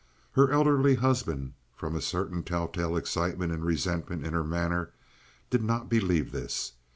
Her elderly husband, from a certain telltale excitement and resentment in her manner, did not believe this.